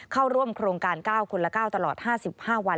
เข้าร่วมโครงการเก้าคนละเก้าตลอด๕๕วัน